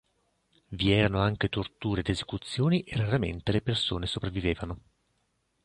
Vi erano anche torture ed esecuzioni e raramente le persone sopravvivevano.